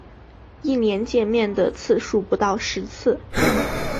一年见面的次数不到十次